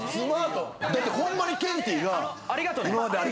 だってホンマにケンティーが。